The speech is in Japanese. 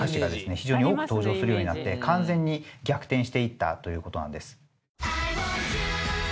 非常に多く登場するようになって完全に逆転していったという事なんです。